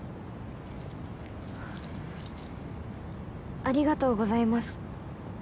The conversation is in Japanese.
ありがとうございます。